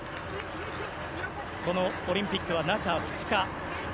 このオリンピックは中２日。